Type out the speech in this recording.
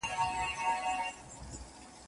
کرۍ ورځ یم وږې تږې ګرځېدلې